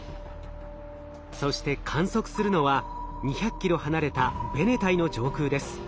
そして観測するのは２００ｋｍ離れたベネタイの上空です。